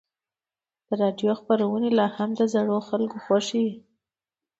د راډیو خپرونې لا هم د زړو خلکو خوښې دي.